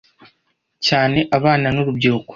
cyane abana n’urubyiruko.